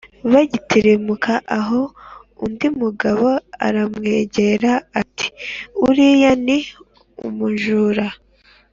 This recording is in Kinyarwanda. Bagitirimuka aho, undi mugabo aramwegera ati: “Uriya ni umumjura